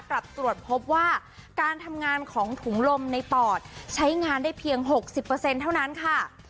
กลับตรวจพบว่าการทำงานของถุงลมในปอดใช้งานได้เพียงหกสิบเปอร์เซ็นต์เท่านั้นค่ะ